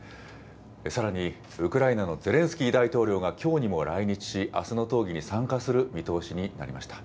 さらにウクライナのゼレンスキー大統領がきょうにも来日し、あすの討議に参加する見通しになりました。